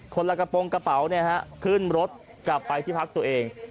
ละกระโปรงกระเป๋าขึ้นรถกลับไปที่พักตัวเอง